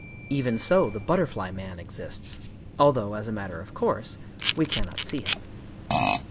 Even so the butterfly man exists,—although, as a matter of course, we cannot see him.